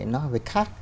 nó phải khác